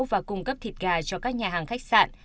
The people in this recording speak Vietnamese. và cung cấp thịt gà cho các nhà hàng khách sạn